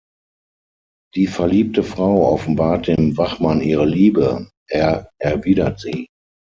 Die verliebte Frau offenbart dem Wachmann ihre Liebe, er erwidert sie.